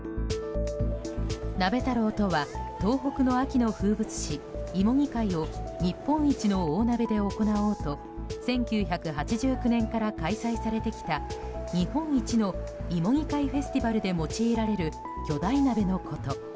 鍋太郎とは東北の秋の風物詩芋煮会を日本一の大鍋で行おうと１９８９年から開催されてきた日本一の芋煮会フェスティバルで用いられる巨大鍋のこと。